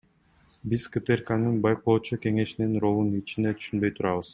Биз КТРКнын байкоочу кеңешинин ролун кичине түшүнбөй турабыз.